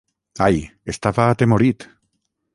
Ai, estava atemorit!